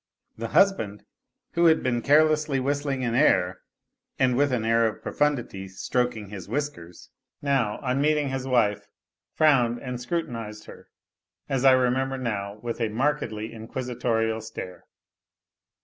The husband, who had been carelessly whistling an air and with an air of profundity stroking his whiskers, now, on meeting his wife, frowned and scrutinized her, as I remember now, with a markedly inquisitorial stare.